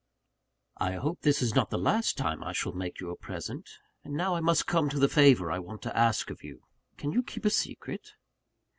"I hope this is not the last time I shall make you a present. And now I must come to the favour I want to ask of you: can you keep a secret?"